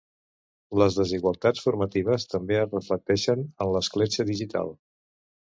Les desigualtats formatives també es reflecteixen en l'escletxa digital.